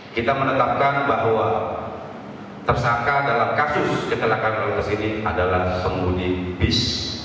kita menetapkan bahwa tersangka dalam kasus kecelakaan lalu lintas ini adalah penghuni bis